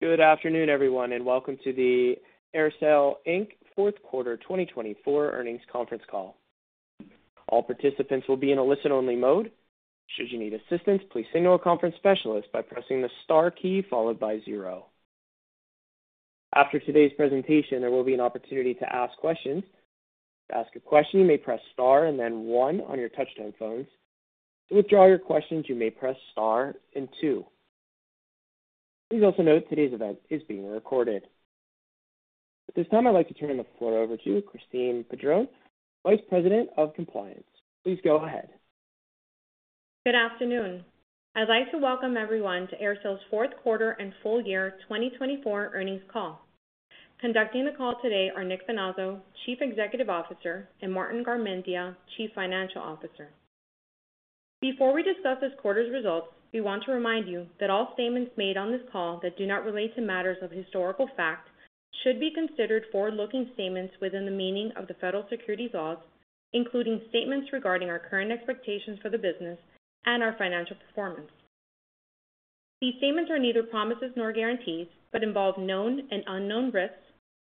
Good afternoon, everyone, and welcome to the AerSale Corporation fourth quarter 2024 earnings conference call. All participants will be in a listen-only mode. Should you need assistance, please signal a conference specialist by pressing the star key followed by zero. After today's presentation, there will be an opportunity to ask questions. To ask a question, you may press star and then one on your touchtone phones. To withdraw your questions, you may press star and two. Please also note today's event is being recorded. At this time, I'd like to turn the floor over to Christine Padron, Vice President of Compliance. Please go ahead. Good afternoon. I'd like to welcome everyone to AerSale's fourth quarter and full year 2024 earnings call. Conducting the call today are Nick Finazzo, Chief Executive Officer, and Martin Garmendia, Chief Financial Officer. Before we discuss this quarter's results, we want to remind you that all statements made on this call that do not relate to matters of historical fact should be considered forward-looking statements within the meaning of the federal securities laws, including statements regarding our current expectations for the business and our financial performance. These statements are neither promises nor guarantees but involve known and unknown risks,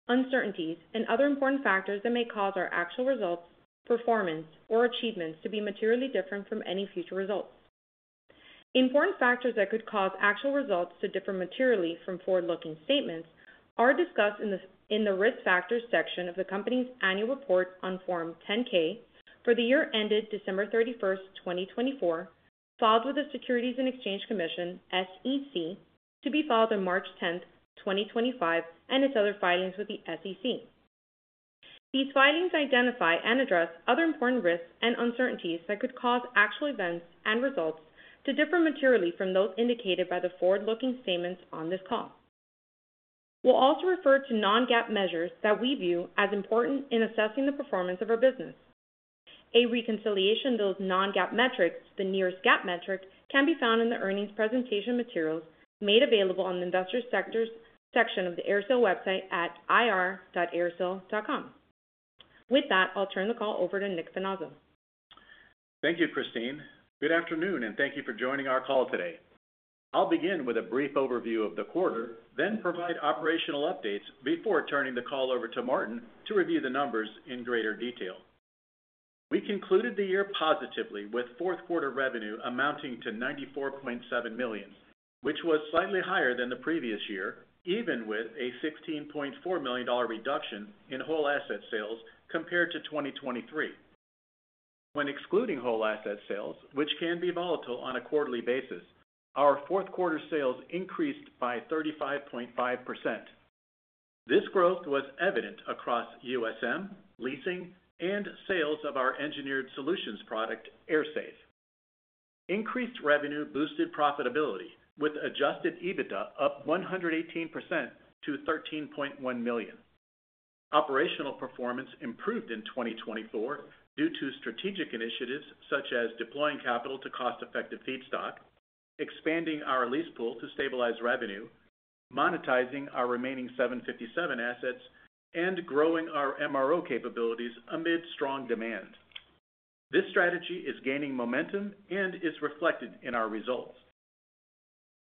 uncertainties, and other important factors that may cause our actual results, performance, or achievements to be materially different from any future results. Important factors that could cause actual results to differ materially from forward-looking statements are discussed in the risk factors section of the company's annual report on Form 10-K for the year ended December 31st, 2024, filed with the Securities and Exchange Commission, SEC, to be filed on March 10th, 2025, and its other filings with the SEC. These filings identify and address other important risks and uncertainties that could cause actual events and results to differ materially from those indicated by the forward-looking statements on this call. We'll also refer to non-GAAP measures that we view as important in assessing the performance of our business. A reconciliation of those non-GAAP metrics to the nearest GAAP metric can be found in the earnings presentation materials made available on the investor section of the AerSale website at ir-aersale.com. With that, I'll turn the call over to Nick Finazzo. Thank you, Christine. Good afternoon, and thank you for joining our call today. I'll begin with a brief overview of the quarter, then provide operational updates before turning the call over to Martin to review the numbers in greater detail. We concluded the year positively with fourth quarter revenue amounting to $94.7 million, which was slightly higher than the previous year, even with a $16.4 million reduction in whole asset sales compared to 2023. When excluding whole asset sales, which can be volatile on a quarterly basis, our fourth quarter sales increased by 35.5%. This growth was evident across USM, leasing, and sales of our engineered solutions product, AirSafe. Increased revenue boosted profitability, with adjusted EBITDA up 118% to $13.1 million. Operational performance improved in 2024 due to strategic initiatives such as deploying capital to cost-effective feedstock, expanding our lease pool to stabilize revenue, monetizing our remaining 757 assets, and growing our MRO capabilities amid strong demand. This strategy is gaining momentum and is reflected in our results.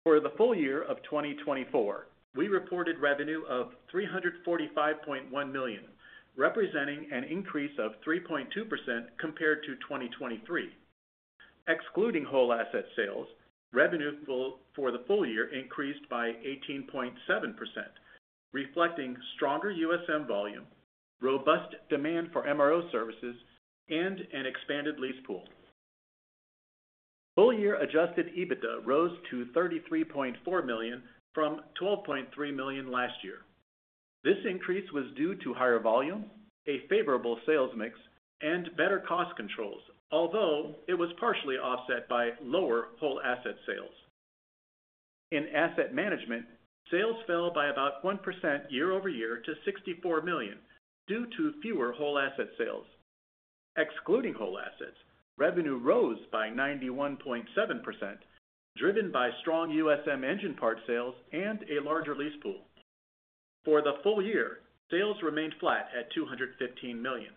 For the full year of 2024, we reported revenue of $345.1 million, representing an increase of 3.2% compared to 2023. Excluding whole asset sales, revenue for the full year increased by 18.7%, reflecting stronger USM volume, robust demand for MRO services, and an expanded lease pool. Full-year adjusted EBITDA rose to $33.4 million from $12.3 million last year. This increase was due to higher volume, a favorable sales mix, and better cost controls, although it was partially offset by lower whole asset sales. In asset management, sales fell by about 1% year-over-year to $64 million due to fewer whole asset sales. Excluding whole assets, revenue rose by 91.7%, driven by strong USM engine part sales and a larger lease pool. For the full year, sales remained flat at $215 million.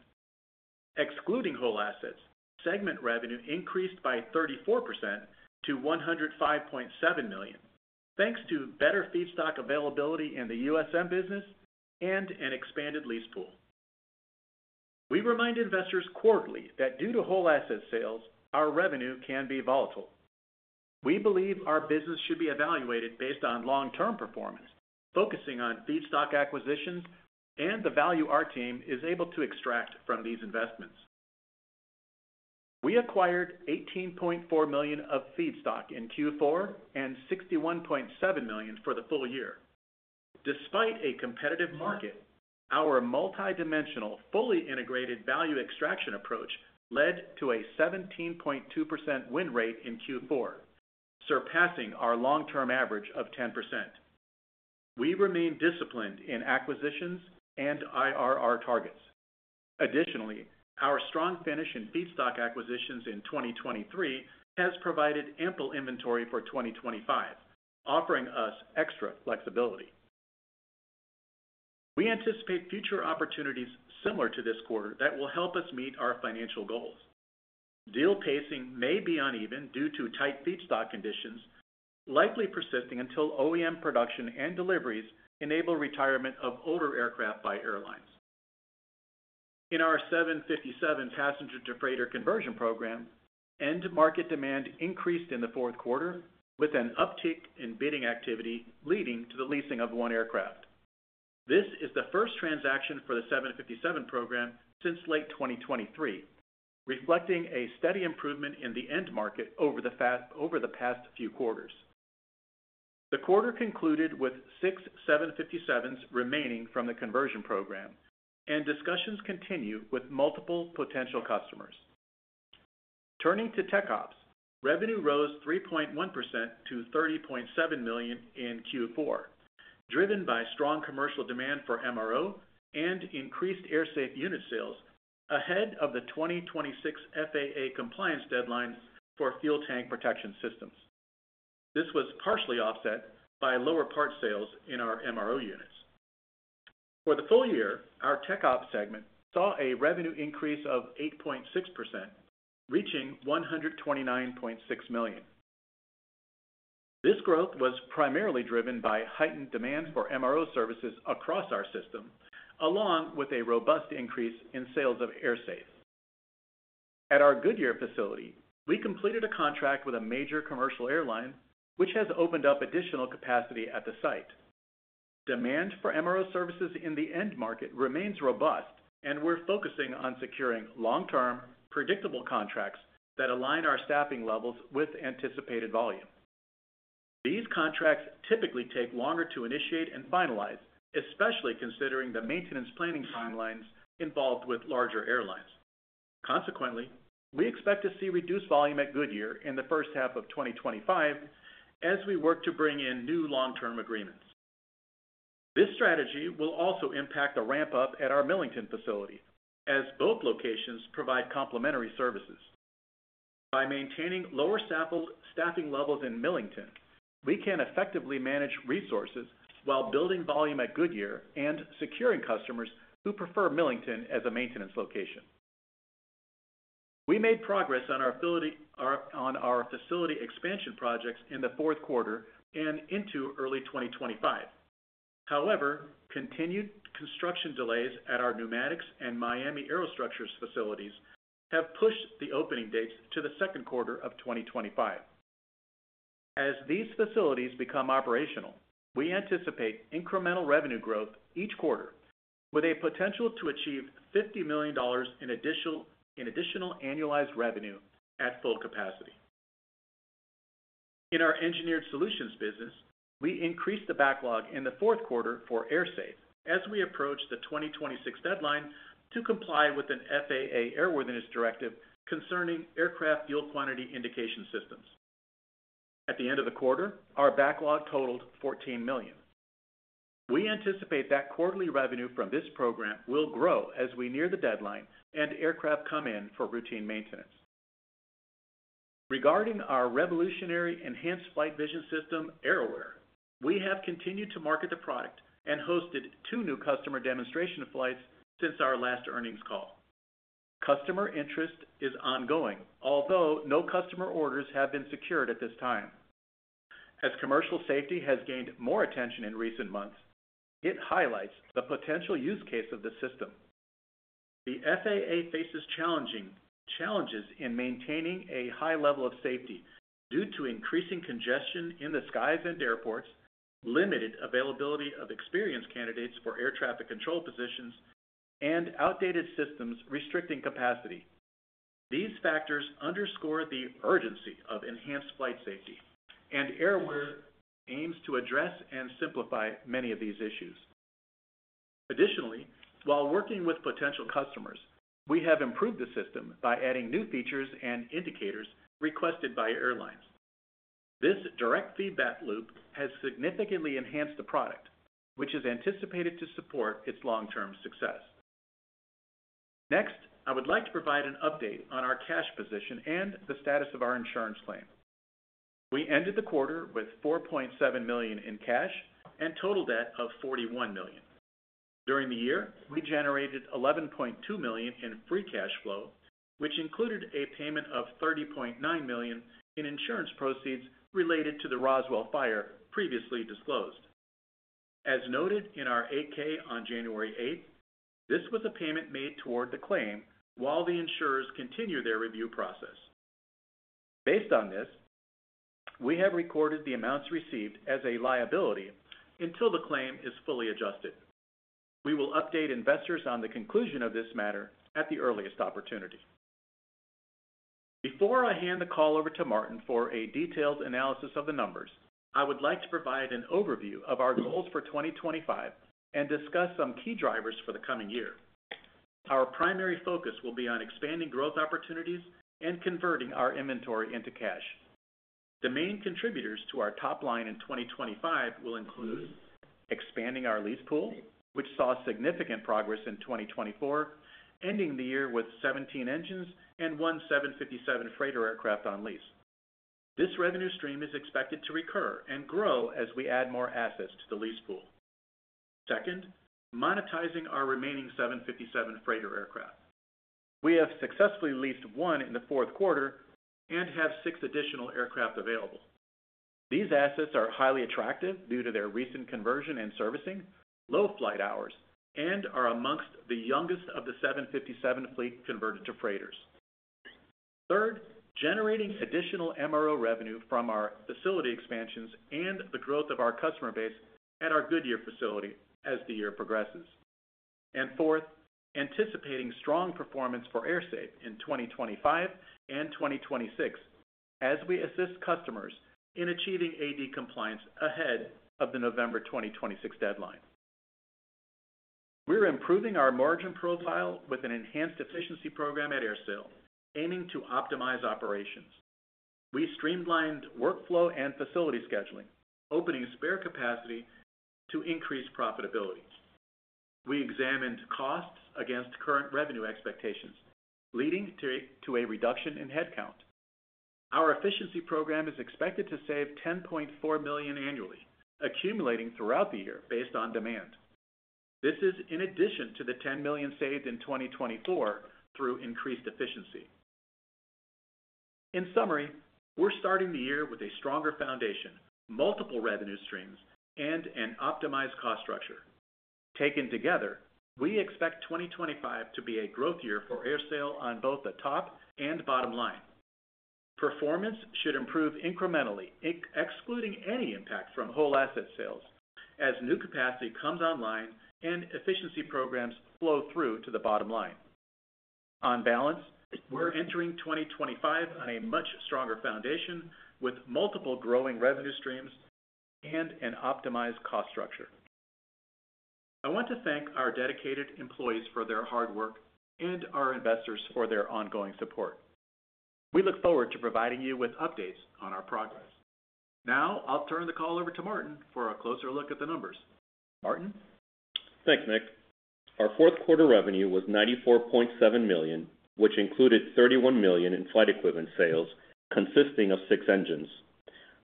Excluding whole assets, segment revenue increased by 34% to $105.7 million, thanks to better feedstock availability in the USM business and an expanded lease pool. We remind investors quarterly that due to whole asset sales, our revenue can be volatile. We believe our business should be evaluated based on long-term performance, focusing on feedstock acquisitions and the value our team is able to extract from these investments. We acquired $18.4 million of feedstock in Q4 and $61.7 million for the full year. Despite a competitive market, our multi-dimensional, fully integrated value extraction approach led to a 17.2% win rate in Q4, surpassing our long-term average of 10%. We remain disciplined in acquisitions and IRR targets. Additionally, our strong finish in feedstock acquisitions in 2023 has provided ample inventory for 2025, offering us extra flexibility. We anticipate future opportunities similar to this quarter that will help us meet our financial goals. Deal pacing may be uneven due to tight feedstock conditions, likely persisting until OEM production and deliveries enable retirement of older aircraft by airlines. In our 757 passenger-to-freighter conversion program, end-market demand increased in the fourth quarter, with an uptick in bidding activity leading to the leasing of one aircraft. This is the first transaction for the 757 program since late 2023, reflecting a steady improvement in the end market over the past few quarters. The quarter concluded with six 757s remaining from the conversion program, and discussions continue with multiple potential customers. Turning to tech ops, revenue rose 3.1% to $30.7 million in Q4, driven by strong commercial demand for MRO and increased AirSafe unit sales ahead of the 2026 FAA compliance deadlines for fuel tank protection systems. This was partially offset by lower part sales in our MRO units. For the full year, our tech ops segment saw a revenue increase of 8.6%, reaching $129.6 million. This growth was primarily driven by heightened demand for MRO services across our system, along with a robust increase in sales of AirSafe. At our Goodyear facility, we completed a contract with a major commercial airline, which has opened up additional capacity at the site. Demand for MRO services in the end market remains robust, and we're focusing on securing long-term, predictable contracts that align our staffing levels with anticipated volume. These contracts typically take longer to initiate and finalize, especially considering the maintenance planning timelines involved with larger airlines. Consequently, we expect to see reduced volume at Goodyear in the first half of 2025 as we work to bring in new long-term agreements. This strategy will also impact the ramp-up at our Millington facility, as both locations provide complementary services. By maintaining lower staffing levels in Millington, we can effectively manage resources while building volume at Goodyear and securing customers who prefer Millington as a maintenance location. We made progress on our facility expansion projects in the fourth quarter and into early 2025. However, continued construction delays at our Pneumatics and Miami AeroStructures facilities have pushed the opening dates to the second quarter of 2025. As these facilities become operational, we anticipate incremental revenue growth each quarter, with a potential to achieve $50 million in additional annualized revenue at full capacity. In our engineered solutions business, we increased the backlog in the fourth quarter for AirSafe as we approach the 2026 deadline to comply with an FAA airworthiness directive concerning aircraft fuel quantity indication systems. At the end of the quarter, our backlog totaled $14 million. We anticipate that quarterly revenue from this program will grow as we near the deadline and aircraft come in for routine maintenance. Regarding our revolutionary enhanced flight vision system, AeroAir, we have continued to market the product and hosted two new customer demonstration flights since our last earnings call. Customer interest is ongoing, although no customer orders have been secured at this time. As commercial safety has gained more attention in recent months, it highlights the potential use case of the system. The FAA faces challenges in maintaining a high level of safety due to increasing congestion in the skies and airports, limited availability of experienced candidates for air traffic control positions, and outdated systems restricting capacity. These factors underscore the urgency of enhanced flight safety, and AeroAir aims to address and simplify many of these issues. Additionally, while working with potential customers, we have improved the system by adding new features and indicators requested by airlines. This direct feedback loop has significantly enhanced the product, which is anticipated to support its long-term success. Next, I would like to provide an update on our cash position and the status of our insurance claim. We ended the quarter with $4.7 million in cash and total debt of $41 million. During the year, we generated $11.2 million in free cash flow, which included a payment of $30.9 million in insurance proceeds related to the Roswell fire previously disclosed. As noted in our 8-K on January 8th, this was a payment made toward the claim while the insurers continue their review process. Based on this, we have recorded the amounts received as a liability until the claim is fully adjusted. We will update investors on the conclusion of this matter at the earliest opportunity. Before I hand the call over to Martin for a detailed analysis of the numbers, I would like to provide an overview of our goals for 2025 and discuss some key drivers for the coming year. Our primary focus will be on expanding growth opportunities and converting our inventory into cash. The main contributors to our top line in 2025 will include expanding our lease pool, which saw significant progress in 2024, ending the year with 17 engines and one 757 freighter aircraft on lease. This revenue stream is expected to recur and grow as we add more assets to the lease pool. Second, monetizing our remaining 757 freighter aircraft. We have successfully leased one in the fourth quarter and have six additional aircraft available. These assets are highly attractive due to their recent conversion and servicing, low flight hours, and are amongst the youngest of the 757 fleet converted to freighters. Third, generating additional MRO revenue from our facility expansions and the growth of our customer base at our Goodyear facility as the year progresses. Fourth, anticipating strong performance for AirSafe in 2025 and 2026 as we assist customers in achieving AD compliance ahead of the November 2026 deadline. We're improving our margin profile with an enhanced efficiency program at AerSale, aiming to optimize operations. We streamlined workflow and facility scheduling, opening spare capacity to increase profitability. We examined costs against current revenue expectations, leading to a reduction in headcount. Our efficiency program is expected to save $10.4 million annually, accumulating throughout the year based on demand. This is in addition to the $10 million saved in 2024 through increased efficiency. In summary, we're starting the year with a stronger foundation, multiple revenue streams, and an optimized cost structure. Taken together, we expect 2025 to be a growth year for AerSale on both the top and bottom line. Performance should improve incrementally, excluding any impact from whole asset sales, as new capacity comes online and efficiency programs flow through to the bottom line. On balance, we're entering 2025 on a much stronger foundation with multiple growing revenue streams and an optimized cost structure. I want to thank our dedicated employees for their hard work and our investors for their ongoing support. We look forward to providing you with updates on our progress. Now, I'll turn the call over to Martin for a closer look at the numbers. Martin. Thanks, Nick. Our fourth quarter revenue was $94.7 million, which included $31 million in flight equipment sales consisting of six engines.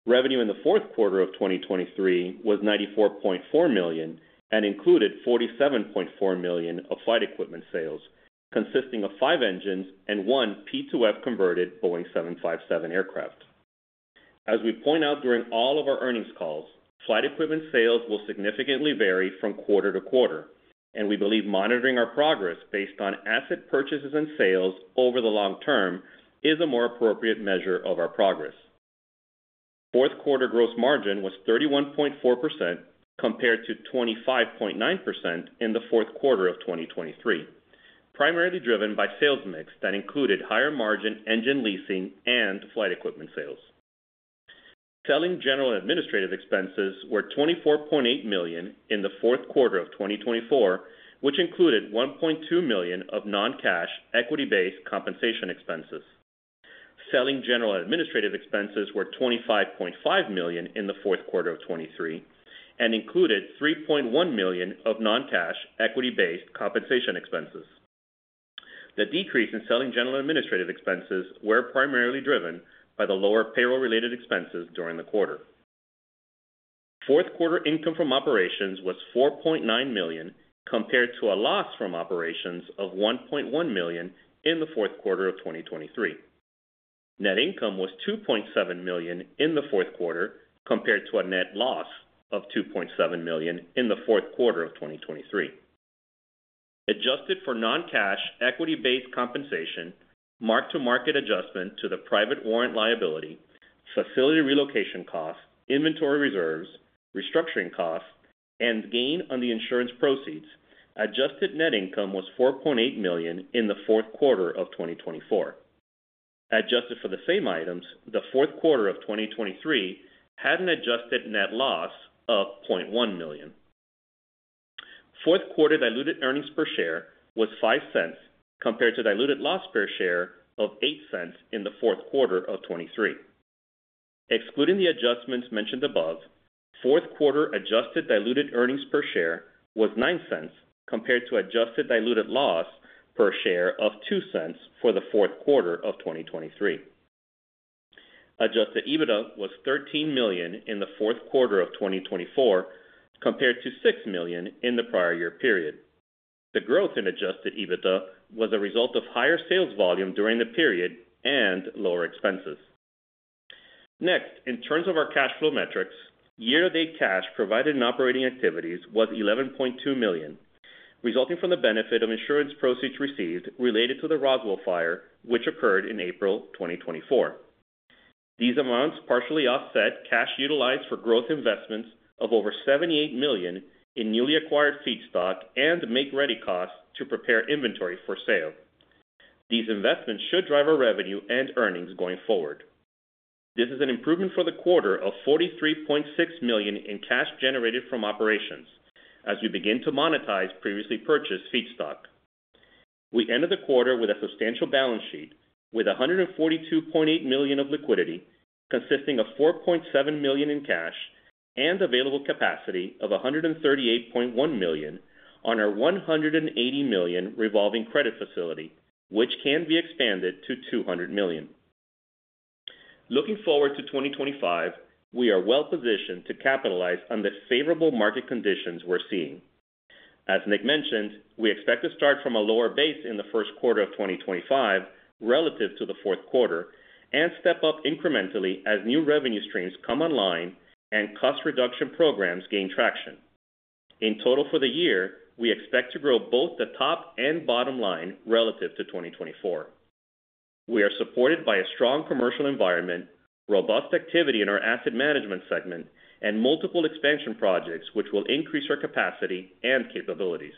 Revenue in the fourth quarter of 2023 was $94.4 million and included $47.4 million of flight equipment sales, consisting of five engines and one P2F-converted Boeing 757 aircraft. As we point out during all of our earnings calls, flight equipment sales will significantly vary from quarter-to-quarter, and we believe monitoring our progress based on asset purchases and sales over the long term is a more appropriate measure of our progress. Fourth quarter gross margin was 31.4% compared to 25.9% in the fourth quarter of 2023, primarily driven by sales mix that included higher margin engine leasing and flight equipment sales. Selling general administrative expenses were $24.8 million in the fourth quarter of 2024, which included $1.2 million of non-cash equity-based compensation expenses. Selling general administrative expenses were $25.5 million in the fourth quarter of 2023 and included $3.1 million of non-cash equity-based compensation expenses. The decrease in selling general administrative expenses was primarily driven by the lower payroll-related expenses during the quarter. Fourth quarter income from operations was $4.9 million compared to a loss from operations of $1.1 million in the fourth quarter of 2023. Net income was $2.7 million in the fourth quarter compared to a net loss of $2.7 million in the fourth quarter of 2023. Adjusted for non-cash equity-based compensation, mark-to-market adjustment to the private warrant liability, facility relocation costs, inventory reserves, restructuring costs, and gain on the insurance proceeds, adjusted net income was $4.8 million in the fourth quarter of 2024. Adjusted for the same items, the fourth quarter of 2023 had an adjusted net loss of $0.1 million. Fourth quarter diluted earnings per share was $0.05 compared to diluted loss per share of $0.08 in the fourth quarter of 2023. Excluding the adjustments mentioned above, fourth quarter adjusted diluted earnings per share was $0.09 compared to adjusted diluted loss per share of $0.02 for the fourth quarter of 2023. Adjusted EBITDA was $13 million in the fourth quarter of 2024 compared to $6 million in the prior year period. The growth in adjusted EBITDA was a result of higher sales volume during the period and lower expenses. Next, in terms of our cash flow metrics, year-to-date cash provided in operating activities was $11.2 million, resulting from the benefit of insurance proceeds received related to the Roswell fire, which occurred in April 2024. These amounts partially offset cash utilized for growth investments of over $78 million in newly acquired feedstock and make-ready costs to prepare inventory for sale. These investments should drive our revenue and earnings going forward. This is an improvement for the quarter of $43.6 million in cash generated from operations as we begin to monetize previously purchased feedstock. We ended the quarter with a substantial balance sheet with $142.8 million of liquidity, consisting of $4.7 million in cash and available capacity of $138.1 million on our $180 million revolving credit facility, which can be expanded to $200 million. Looking forward to 2025, we are well-positioned to capitalize on the favorable market conditions we're seeing. As Nick mentioned, we expect to start from a lower base in the first quarter of 2025 relative to the fourth quarter and step up incrementally as new revenue streams come online and cost reduction programs gain traction. In total for the year, we expect to grow both the top and bottom line relative to 2024. We are supported by a strong commercial environment, robust activity in our asset management segment, and multiple expansion projects, which will increase our capacity and capabilities.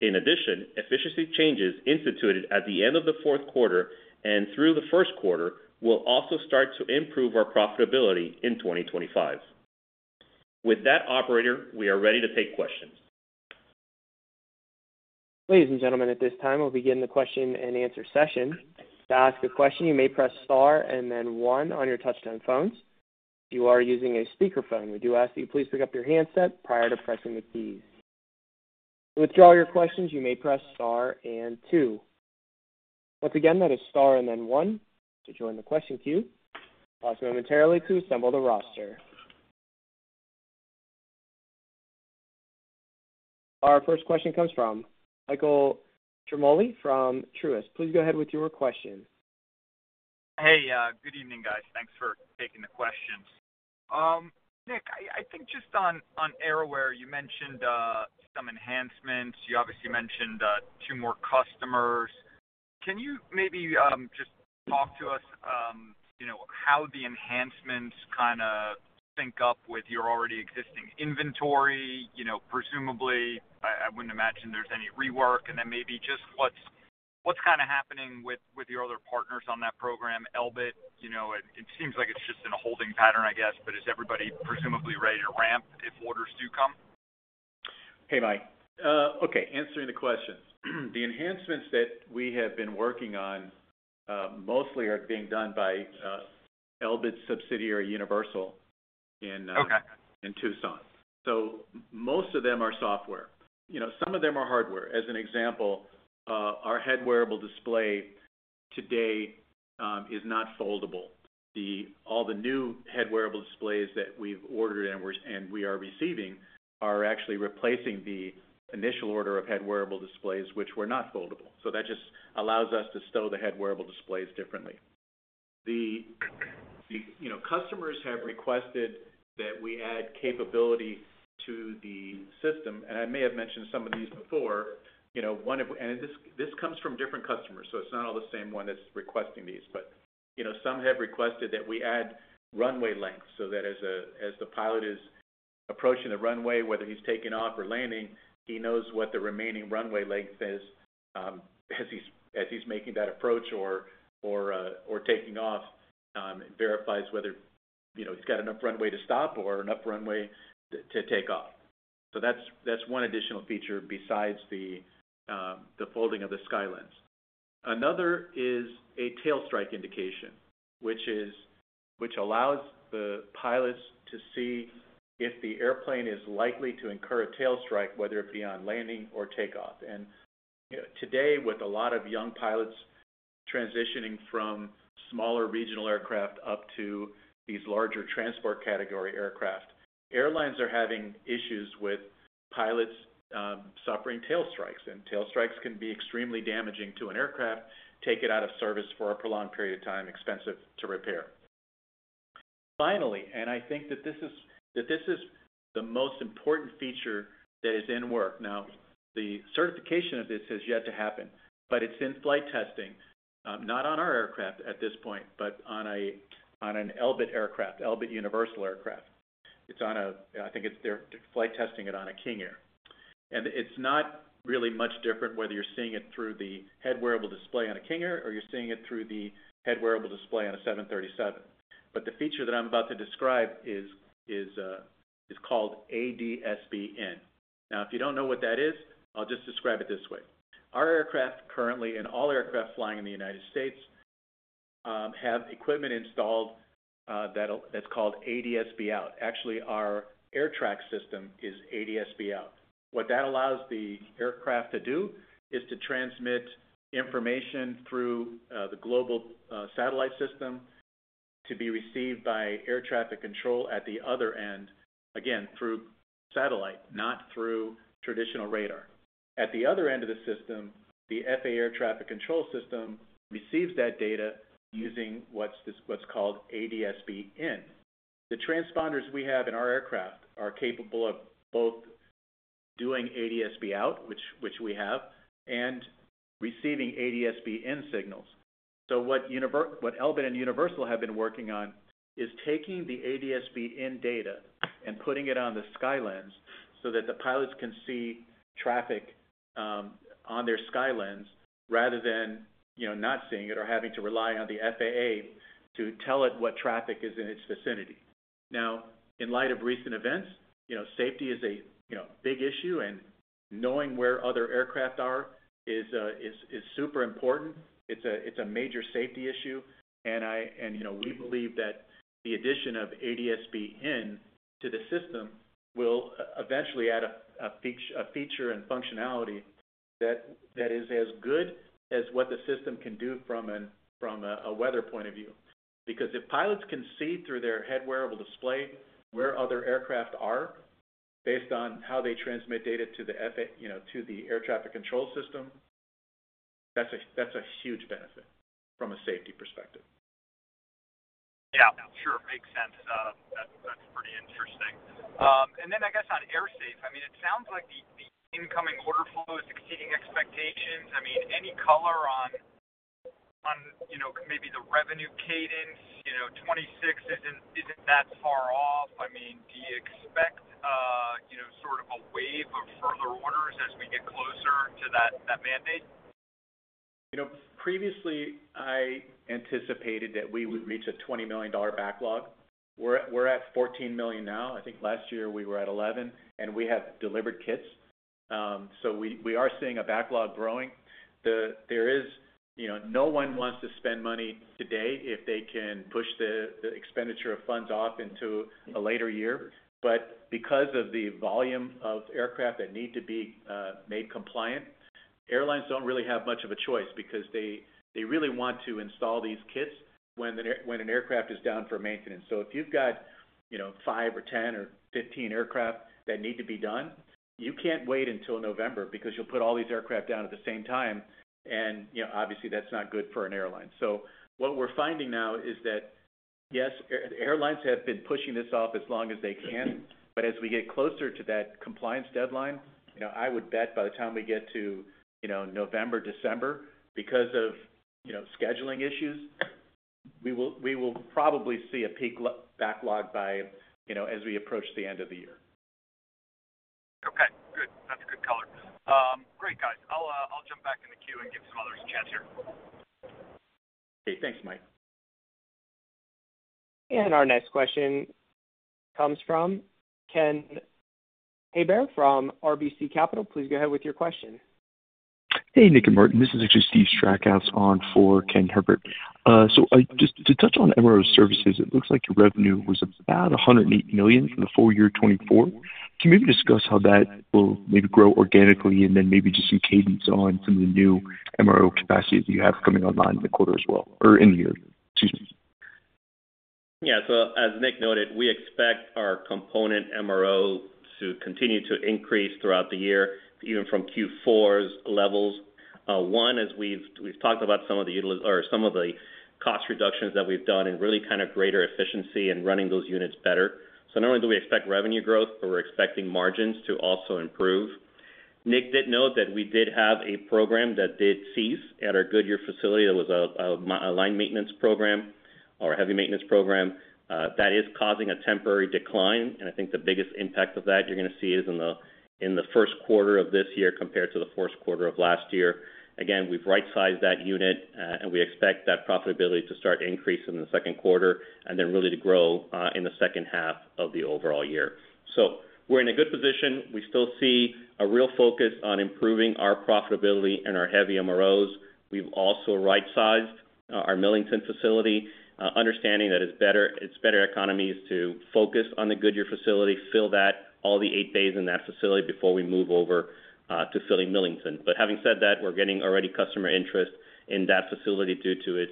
In addition, efficiency changes instituted at the end of the fourth quarter and through the first quarter will also start to improve our profitability in 2025. With that, operator, we are ready to take questions. Ladies and gentlemen, at this time, we'll begin the question-and-answer session. To ask a question, you may press star and then one on your touch-tone phones. If you are using a speakerphone, we do ask that you please pick up your handset prior to pressing the keys. To withdraw your questions, you may press star and two. Once again, that is star and then one to join the question queue. Pause momentarily to assemble the roster. Our first question comes from Michael Ciarmoli from Truist. Please go ahead with your question. Hey, good evening, guys. Thanks for taking the question. Nick, I think just on AeroAir, you mentioned some enhancements. You obviously mentioned two more customers. Can you maybe just talk to us how the enhancements kind of sync up with your already existing inventory? Presumably, I wouldn't imagine there's any rework. And then maybe just what's kind of happening with your other partners on that program, Elbit? It seems like it's just in a holding pattern, I guess, but is everybody presumably ready to ramp if orders do come? Hey, Mike. Okay, answering the questions. The enhancements that we have been working on mostly are being done by Elbit subsidiary Universal in Tucson. Most of them are software. Some of them are hardware. As an example, our head-wearable display today is not foldable. All the new head-wearable displays that we've ordered and we are receiving are actually replacing the initial order of head-wearable displays, which were not foldable. That just allows us to stow the head-wearable displays differently. The customers have requested that we add capability to the system, and I may have mentioned some of these before. This comes from different customers, so it's not all the same one that's requesting these. Some have requested that we add runway length so that as the pilot is approaching the runway, whether he's taking off or landing, he knows what the remaining runway length is as he's making that approach or taking off and verifies whether he's got enough runway to stop or enough runway to take off. That's one additional feature besides the folding of the Skylance. Another is a tail strike indication, which allows the pilots to see if the airplane is likely to incur a tail strike, whether it be on landing or takeoff. Today, with a lot of young pilots transitioning from smaller regional aircraft up to these larger transport category aircraft, airlines are having issues with pilots suffering tail strikes. Tail strikes can be extremely damaging to an aircraft, take it out of service for a prolonged period of time, expensive to repair. Finally, I think that this is the most important feature that is in work. Now, the certification of this has yet to happen, but it's in flight testing, not on our aircraft at this point, but on an Elbit aircraft, Elbit Universal aircraft. I think they're flight testing it on a King Air. It's not really much different whether you're seeing it through the head-wearable display on a King Air or you're seeing it through the head-wearable display on a 737. The feature that I'm about to describe is called ADS-B In. Now, if you don't know what that is, I'll just describe it this way. Our aircraft currently, and all aircraft flying in the United States, have equipment installed that's called ADS-B Out. Actually, our AerTrak system is ADS-B Out. What that allows the aircraft to do is to transmit information through the global satellite system to be received by air traffic control at the other end, again, through satellite, not through traditional radar. At the other end of the system, the Federal Aviation Administration air traffic control system receives that data using what's called ADS-B In. The transponders we have in our aircraft are capable of both doing ADS-B Out, which we have, and receiving ADS-B In signals. What Elbit and Universal have been working on is taking the ADS-B In data and putting it on the Skylance so that the pilots can see traffic on their Skylance rather than not seeing it or having to rely on the FAA to tell it what traffic is in its vicinity. Now, in light of recent events, safety is a big issue, and knowing where other aircraft are is super important. It's a major safety issue. We believe that the addition of ADS-B In to the system will eventually add a feature and functionality that is as good as what the system can do from a weather point of view. Because if pilots can see through their head-wearable display where other aircraft are based on how they transmit data to the air traffic control system, that's a huge benefit from a safety perspective. Yeah, sure. Makes sense. That's pretty interesting. I guess on AirSafe, I mean, it sounds like the incoming order flow is exceeding expectations. I mean, any color on maybe the revenue cadence? 2026 isn't that far off. Do you expect sort of a wave of further orders as we get closer to that mandate? Previously, I anticipated that we would reach a $20 million backlog. We're at $14 million now. I think last year we were at $11 million, and we have delivered kits. We are seeing a backlog growing. No one wants to spend money today if they can push the expenditure of funds off into a later year. Because of the volume of aircraft that need to be made compliant, airlines do not really have much of a choice because they really want to install these kits when an aircraft is down for maintenance. If you have 5 or 10 or 15 aircraft that need to be done, you cannot wait until November because you will put all these aircraft down at the same time. Obviously, that is not good for an airline. What we are finding now is that, yes, airlines have been pushing this off as long as they can. As we get closer to that compliance deadline, I would bet by the time we get to November, December, because of scheduling issues, we will probably see a peak backlog as we approach the end of the year. Okay. Good. That is good color. Great, guys. I'll jump back in the queue and give some others a chance here. Okay. Thanks, Mike. Our next question comes from Ken Herbert from RBC Capital Markets. Please go ahead with your question. Hey, Nick and Martin. This is actually Steve Strackhouse on for Ken Herbert. Just to touch on MRO services, it looks like your revenue was about $108 million for the full year 2024. Can you maybe discuss how that will maybe grow organically and then maybe just some cadence on some of the new MRO capacity that you have coming online in the quarter as well or in the year? Excuse me. Yeah. As Nick noted, we expect our component MRO to continue to increase throughout the year, even from Q4's levels. One, as we've talked about some of the cost reductions that we've done and really kind of greater efficiency and running those units better. Not only do we expect revenue growth, but we're expecting margins to also improve. Nick did note that we did have a program that did cease at our Goodyear facility. It was a line maintenance program, our heavy maintenance program. That is causing a temporary decline. I think the biggest impact of that you're going to see is in the first quarter of this year compared to the fourth quarter of last year. Again, we've right-sized that unit, and we expect that profitability to start increasing in the second quarter and then really to grow in the second half of the overall year. We are in a good position. We still see a real focus on improving our profitability and our heavy MROs. We've also right-sized our Millington facility, understanding that it's better economies to focus on the Goodyear facility, fill all the eight bays in that facility before we move over to filling Millington. Having said that, we're getting already customer interest in that facility due to its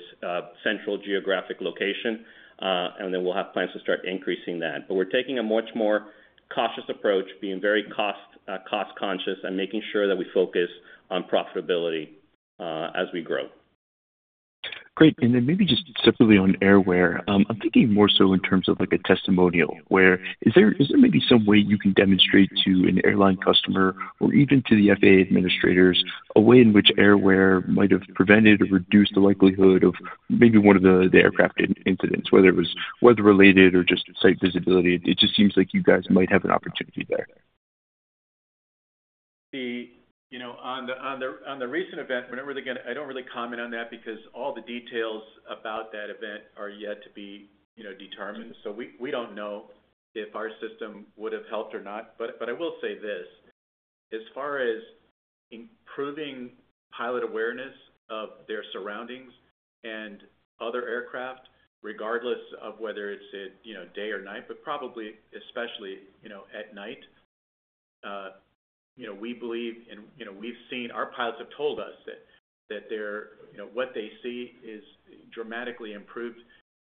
central geographic location. We have plans to start increasing that. We're taking a much more cautious approach, being very cost-conscious and making sure that we focus on profitability as we grow. Great. Maybe just separately on AerAware, I'm thinking more so in terms of a testimonial. Is there maybe some way you can demonstrate to an airline customer or even to the FAA administrators a way in which AerAware might have prevented or reduced the likelihood of maybe one of the aircraft incidents, whether it was weather-related or just site visibility? It just seems like you guys might have an opportunity there. On the recent event, I don't really comment on that because all the details about that event are yet to be determined. We don't know if our system would have helped or not. I will say this. As far as improving pilot awareness of their surroundings and other aircraft, regardless of whether it's day or night, but probably especially at night, we believe and we've seen our pilots have told us that what they see is dramatically improved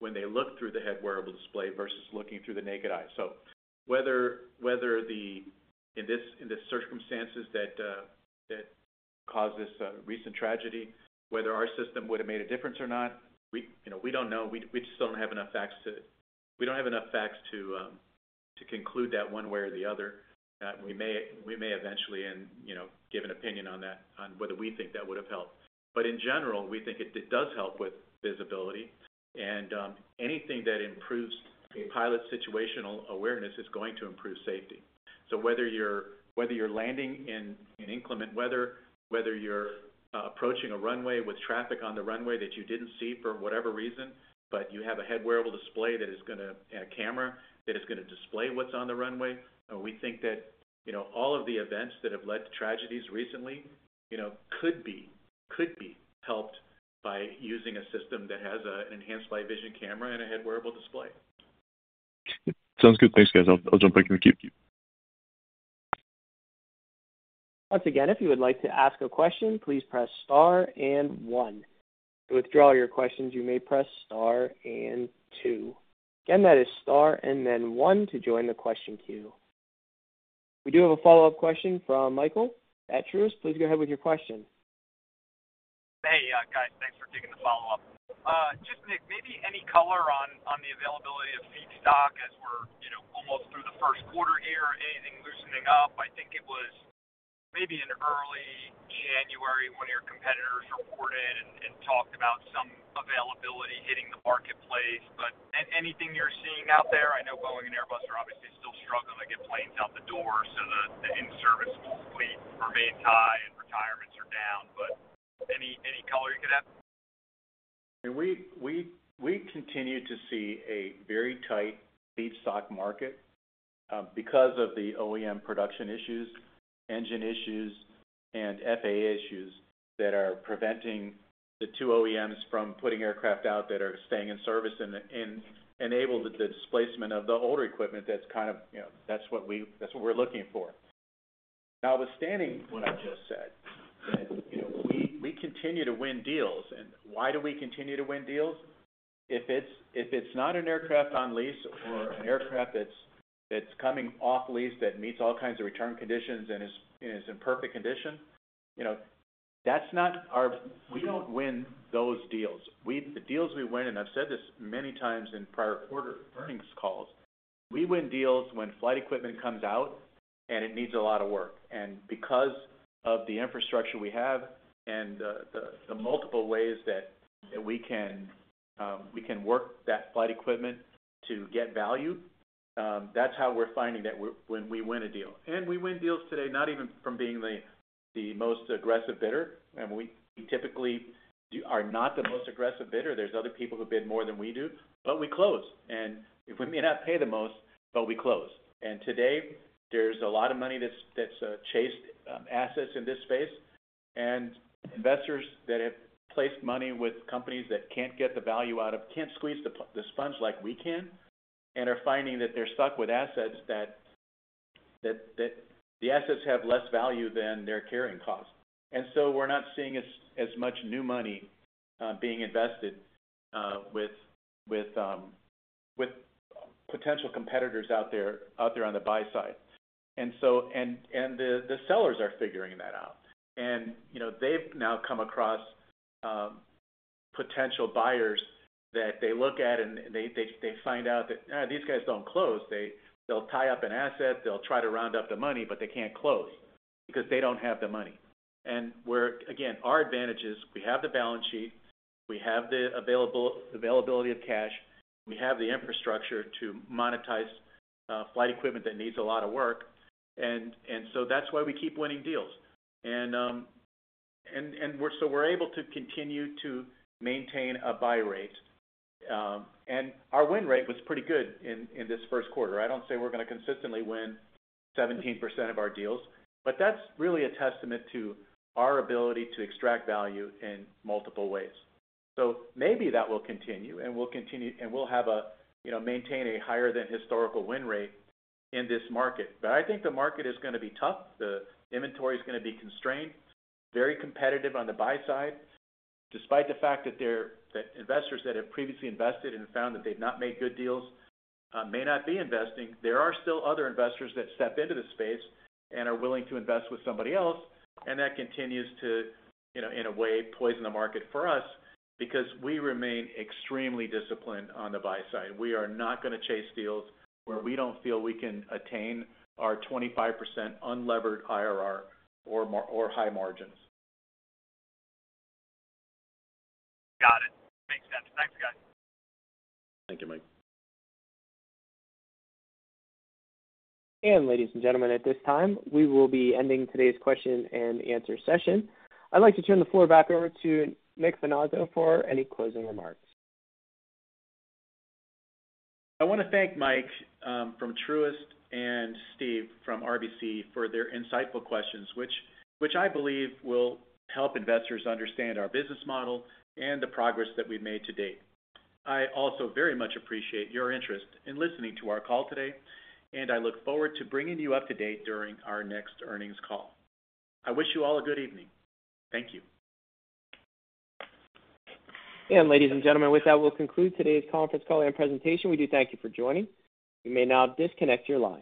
when they look through the head-wearable display versus looking through the naked eye. Whether in the circumstances that caused this recent tragedy our system would have made a difference or not, we don't know. We just don't have enough facts to conclude that one way or the other. We may eventually give an opinion on that, on whether we think that would have helped. In general, we think it does help with visibility. Anything that improves a pilot's situational awareness is going to improve safety. Whether you're landing in inclement weather, whether you're approaching a runway with traffic on the runway that you didn't see for whatever reason, but you have a head-wearable display that is going to a camera that is going to display what's on the runway, we think that all of the events that have led to tragedies recently could be helped by using a system that has an enhanced live vision camera and a head-wearable display. Sounds good. Thanks, guys. I'll jump back in the queue. Once again, if you would like to ask a question, please press star and one. To withdraw your questions, you may press star and two. Again, that is star and then one to join the question queue. We do have a follow-up question from Michael at Truist. Please go ahead with your question. Hey, guys. Thanks for taking the follow-up. Just Nick, maybe any color on the availability of feedstock as we're almost through the first quarter here? Anything loosening up? I think it was maybe in early January when your competitors reported and talked about some availability hitting the marketplace. Anything you're seeing out there? I know Boeing and Airbus are obviously still struggling to get planes out the door so the in-service fleet remains high and retirements are down. Any color you could have? We continue to see a very tight feedstock market because of the OEM production issues, engine issues, and FAA issues that are preventing the two OEMs from putting aircraft out that are staying in service and enable the displacement of the older equipment. That is kind of what we are looking for. Notwithstanding what I just said, we continue to win deals. Why do we continue to win deals? If it is not an aircraft on lease or an aircraft that is coming off lease that meets all kinds of return conditions and is in perfect condition, that is not our—we do not win those deals. The deals we win, and I have said this many times in prior quarter earnings calls, we win deals when flight equipment comes out and it needs a lot of work. Because of the infrastructure we have and the multiple ways that we can work that flight equipment to get value, that's how we're finding that when we win a deal. We win deals today, not even from being the most aggressive bidder. We typically are not the most aggressive bidder. There are other people who bid more than we do, but we close. We may not pay the most, but we close. Today, there's a lot of money that's chased assets in this space. Investors that have placed money with companies that can't get the value out of, can't squeeze the sponge like we can, are finding that they're stuck with assets that have less value than their carrying cost. We're not seeing as much new money being invested with potential competitors out there on the buy side. The sellers are figuring that out. They have now come across potential buyers that they look at and they find out that these guys do not close. They will tie up an asset. They will try to round up the money, but they cannot close because they do not have the money. Again, our advantage is we have the balance sheet. We have the availability of cash. We have the infrastructure to monetize flight equipment that needs a lot of work. That is why we keep winning deals. We are able to continue to maintain a buy rate. Our win rate was pretty good in this first quarter. I do not say we are going to consistently win 17% of our deals, but that is really a testament to our ability to extract value in multiple ways. Maybe that will continue, and we'll continue and we'll maintain a higher-than-historical win rate in this market. I think the market is going to be tough. The inventory is going to be constrained, very competitive on the buy side. Despite the fact that investors that have previously invested and found that they've not made good deals may not be investing, there are still other investors that step into the space and are willing to invest with somebody else. That continues to, in a way, poison the market for us because we remain extremely disciplined on the buy side. We are not going to chase deals where we don't feel we can attain our 25% unlevered IRR or high margins. Got it. Makes sense. Thanks, guys. Thank you, Mike. Ladies and gentlemen, at this time, we will be ending today's question and answer session. I'd like to turn the floor back over to Nick Finazzo for any closing remarks. I want to thank Mike from Truist and Steve from RBC for their insightful questions, which I believe will help investors understand our business model and the progress that we've made to date. I also very much appreciate your interest in listening to our call today, and I look forward to bringing you up to date during our next earnings call. I wish you all a good evening. Thank you. Ladies and gentlemen, with that, we'll conclude today's conference call and presentation. We do thank you for joining. You may now disconnect your line.